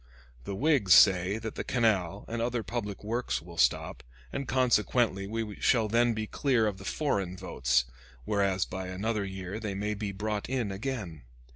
The Whigs say that the canal and other public works will stop, and consequently we shall then be clear of the foreign votes, whereas by another year they may be brought in again.